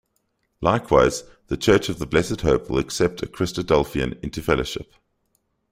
Likewise, the Church of the Blessed Hope will accept a Christadelphian into fellowship.